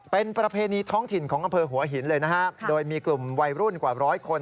เป็นประเพณีท้องถิ่นของอำเภอหัวหินเลยนะฮะโดยมีกลุ่มวัยรุ่นกว่าร้อยคน